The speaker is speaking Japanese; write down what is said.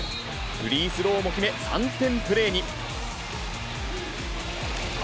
フリースローも決め、３点プレーに。